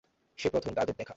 সেই প্রথম তাদের দেখে।